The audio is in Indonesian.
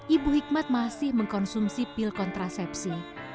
ibu hikmat masih mengkonsumsi pil kontrasepsi